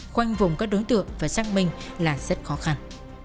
khoanh vùng các đối tượng và xác minh là rất khó khăn